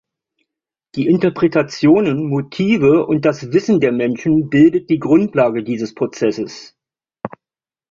Die Interpretationen, Motive und das Wissen der Menschen bildet die Grundlage dieses Prozesses.